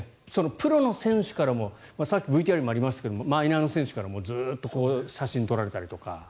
プロの選手からもさっきＶＴＲにありましたがマイナーの選手からも写真を撮られたりとか。